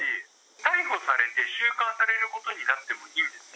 逮捕されて収監されることになっても、いいんですね？